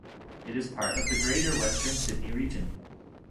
It is part of the Greater Western Sydney region.